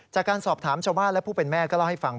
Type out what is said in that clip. จากการสอบถามชาวบ้านและผู้เป็นแม่ก็เล่าให้ฟัง